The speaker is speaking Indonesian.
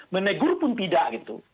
menegur pun tidak